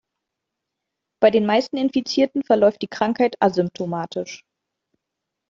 Bei den meisten Infizierten verläuft die Krankheit asymptomatisch.